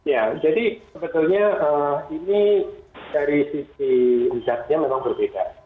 ya jadi sebetulnya ini dari sisi uzaknya memang berbeda